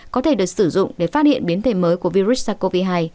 có thể được sử dụng để phát hiện biến thể mới của virus sars cov hai